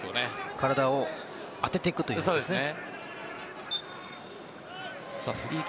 体を当てていくということですね。